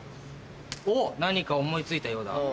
おっ何か思い付いたようだ。